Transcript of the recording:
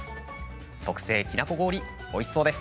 特製きなこ氷、おいしそうです。